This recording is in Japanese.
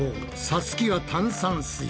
さつきは炭酸水。